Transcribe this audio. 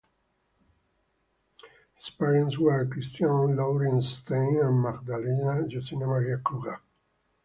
His parents were Christiaan Louwrens Steyn and Magdalena Josina Maria Kruger.